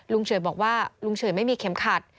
เฉยบอกว่าลุงเฉยไม่มีเข็มขัด